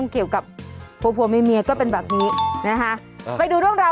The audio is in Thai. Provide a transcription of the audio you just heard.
ใช้เมียได้ตลอด